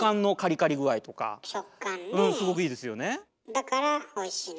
だからおいしいの？